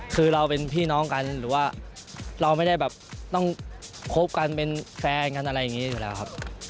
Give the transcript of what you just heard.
คือเราเป็นพี่น้องกันหรือว่าเราไม่ได้แบบต้องคบกันเป็นแฟนกันอะไรอย่างนี้อยู่แล้วครับ